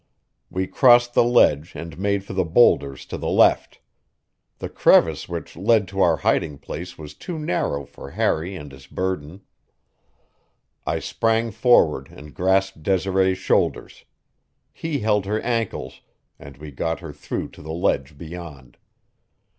We crossed the ledge and made for the boulders to the left. The crevice which led to our hiding place was too narrow for Harry and his burden. I sprang forward and grasped Desiree's shoulders; he held her ankles, and we got her through to the ledge beyond.